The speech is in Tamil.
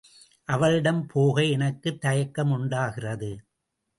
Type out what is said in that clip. அவளிடம் போக எனக்குத் தயக்கம் உண்டாகிறது.